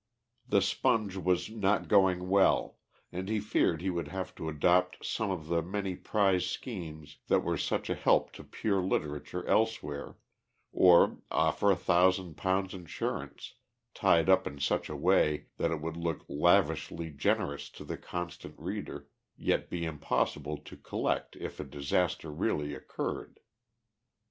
The Sponge was not going well, and he feared he would have to adopt some of the many prize schemes that were such a help to pure literature elsewhere, or offer a thousand pounds insurance, tied up in such a way that it would look lavishly generous to the constant reader, and yet be impossible to collect if a disaster really occurred.